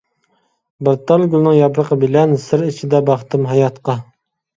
بىر تال گۈلنىڭ ياپرىقى بىلەن، سىر ئىچىدە باقتىم ھاياتقا.